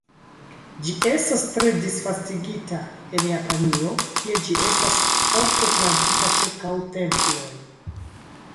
Ĝi estas tre disvastigita en Japanio, kie ĝi estas ofte plantita ĉirkaŭ temploj.